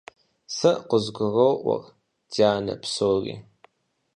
Сэ къызгуроӀуэр, дянэ, псори.